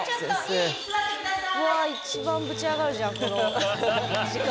うわあ一番ブチ上がるじゃんこの時間。